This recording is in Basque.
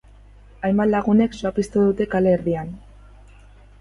Hainbat lagunek sua piztu dute kale erdian.